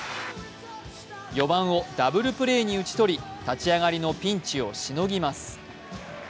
４番をダブルプレーに打ち取り、立ち上がりのピンチをしのぎます。